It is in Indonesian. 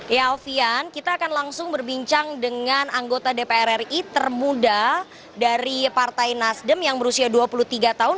ya alfian kita akan langsung berbincang dengan anggota dpr ri termuda dari partai nasdem yang berusia dua puluh tiga tahun